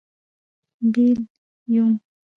بېل. √ یوم